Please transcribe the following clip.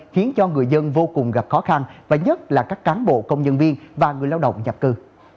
khiến cho người dân vô cùng gặp khó khăn và nhất là các cán bộ công nhân viên và người lao động nhập cư